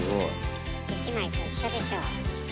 １枚と一緒でしょう？